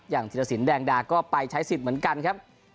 ธิรสินแดงดาก็ไปใช้สิทธิ์เหมือนกันครับ